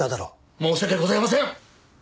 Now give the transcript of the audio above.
申し訳ございません！